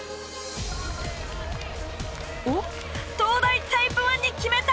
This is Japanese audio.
おっ東大タイプ１に決めた！